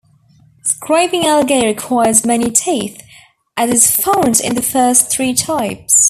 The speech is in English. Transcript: Scraping algae requires many teeth, as is found in the first three types.